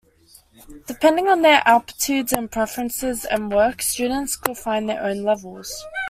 Depending on their aptitudes and preferences and work, students could find their own levels.